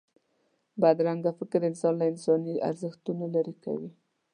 بدرنګه فکر انسان له انساني ارزښتونو لرې کوي